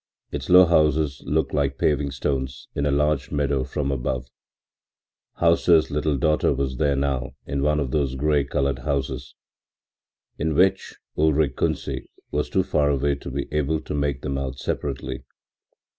Its low houses looked like paving stones in a large meadow from above. Hauser's little daughter was there now in one of those gray colored houses. In which? Ulrich Kunsi was too far away to be able to make them out separately.